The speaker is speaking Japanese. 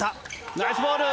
ナイスボール。